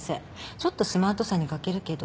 ちょっとスマートさに欠けるけど。